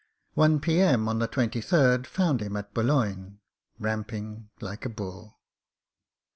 One p.m. on the 23rd found him at Boulogne, ramp ing like a bull.